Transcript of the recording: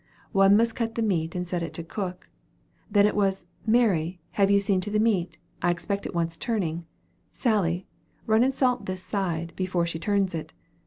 One must cut the meat and set it to cook; then it was "Mary, have you seen to that meat? I expect it wants turning. Sally, run and salt this side, before she turns it."